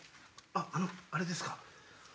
あのあれですか？